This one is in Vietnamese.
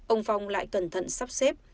ông phong lại cẩn thận sắp xếp